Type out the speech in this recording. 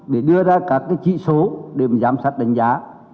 để đưa ra các cái chỉ số để giám sát đánh giá